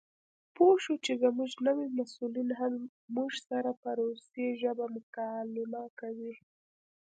پوه شوو چې زموږ نوي مسؤلین هم موږ سره په روسي ژبه مکالمه کوي.